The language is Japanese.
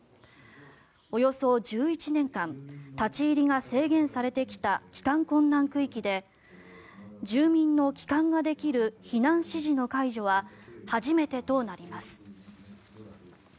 およそ１１年間立ち入りが制限されてきた帰還困難区域で住民の帰還ができる避難指示の解除は初めてとなります。